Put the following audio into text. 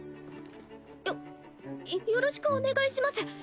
よろしくお願いします